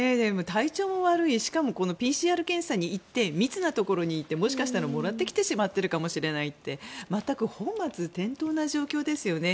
体調も悪いしかも、このＰＣＲ検査に行って密なところに行ってもしかしたらもらってきているかもしれないってまったく本末転倒な状況ですよね。